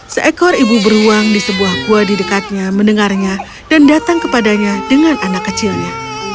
seekor ibu beruang di sebuah gua di dekatnya mendengarnya dan datang kepadanya dengan anak kecilnya